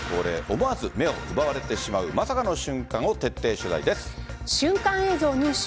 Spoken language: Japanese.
思わず目を奪われてしまうまさかの瞬間を瞬間映像を入手。